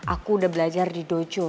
aku udah belajar di dojo